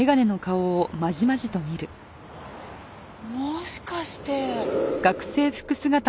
もしかして。